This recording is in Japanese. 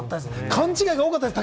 勘違いが多かったですね。